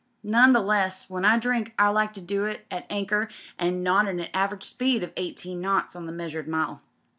None the less, when I drink I like to do it at anchor an' not at an average speed of eighteen knots on the measured mile.